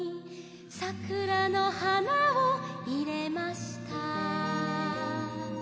「桜の花を入れました」